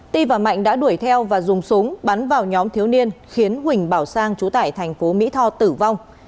ti và mạnh đã đuổi theo và dùng súng bắn vào nhóm thiếu niên khiến huỳnh bảo sang chú tại tp mỹ tho tử vong